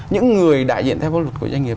những người đại diện theo pháp luật của doanh nghiệp